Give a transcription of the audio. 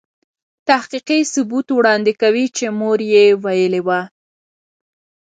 تحقیقي ثبوت وړاندې کوي چې مور يې ویلې وه.